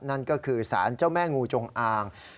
นั่นก็คือสารเจ้าแม่งูจงอาง